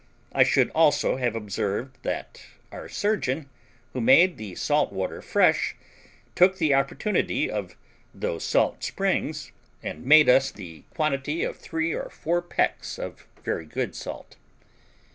I should also have observed that our surgeon, who made the salt water fresh, took the opportunity of those salt springs, and made us the quantity of three or four pecks of very good salt.